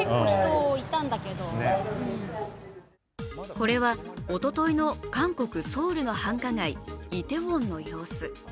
これはおとといの韓国・ソウルの繁華街、イテウォンの様子。